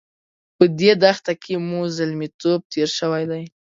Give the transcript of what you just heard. په دې دښته کې مې زلميتوب تېر شوی دی.